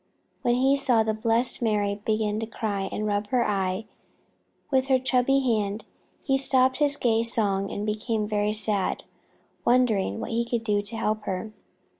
But when he saw the blessed Mary begin to cry and rub her eye with her chubby hand, he stopped his gay song and became very sad, wondering what he could do to help her.